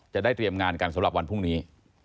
จะได้เตรียมงานกันสำหรับวันพรุ่งนี้